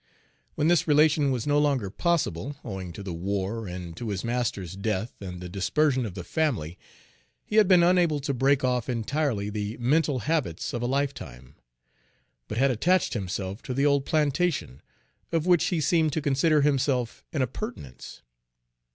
When this relation was no longer possible, owing to the war, and to his master's death and the dispersion of the family, he had been unable to break off entirely the mental habits of a lifetime, but had attached himself to the old plantation, of which he seemed to consider himself an appurtenance.